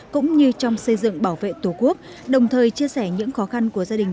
cũng như trong xây dựng bảo vệ tổ quốc đồng thời chia sẻ những khó khăn của gia đình